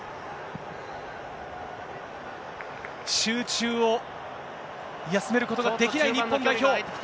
集中を休めることができない日本代表。